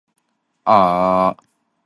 歷史性取得奧運資格